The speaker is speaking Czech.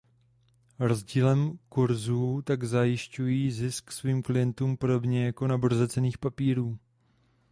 Rozdílem kurzů tak zajišťují zisk svým klientům podobně jako na burze cenných papírů.